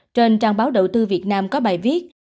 trên trang báo đầu tư việt nam có bài viết